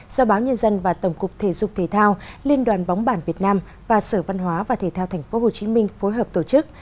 do báo nhân dân và tổng cục thể dục thể thao liên đoàn bóng bản việt nam và sở văn hóa và thể thao tp hcm phối hợp tổ chức